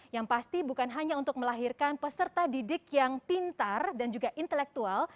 yang pasti bukan hanya untuk melahirkan peserta didik yang pintar dan juga intelektual